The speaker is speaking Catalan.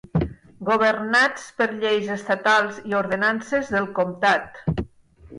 Governats per lleis estatals i ordenances del comtat.